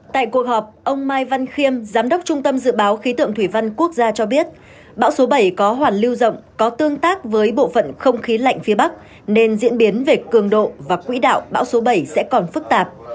tại cuộc họp ông mai văn khiêm giám đốc trung tâm dự báo khí tượng thủy văn quốc gia cho biết bão số bảy có hoàn lưu rộng có tương tác với bộ phận không khí lạnh phía bắc nên diễn biến về cường độ và quỹ đạo bão số bảy sẽ còn phức tạp